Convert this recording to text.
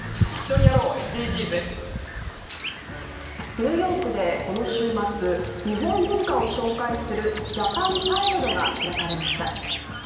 ニューヨークでこの週末、日本文化を紹介するジャパンパレードが開かれました。